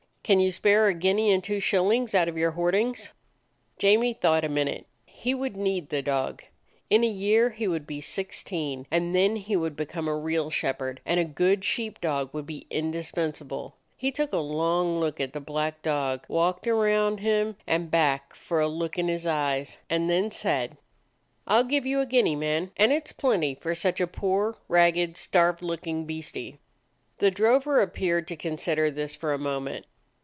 Can you spare a guinea and two shillings out of your hoardings?" Jamie thought a minute. He would need the dog. In a year he would be sixteen, and then he would become a real shepherd, and a 59 DOG HEROES OF MANY LANDS good sheep dog would be indispensable. He took a long look at the black dog, walked around him and back for a look in his eyes, and then said: " I 'll give you a guinea, man, and it 's plenty for such a poor, ragged, starved look ing beastie." The drover appeared to consider this for a moment.